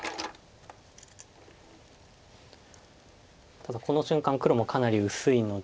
ただこの瞬間黒もかなり薄いので。